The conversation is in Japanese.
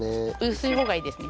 薄い方がいいですね。